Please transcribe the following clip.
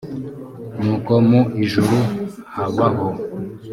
nuko mu ijuru habaho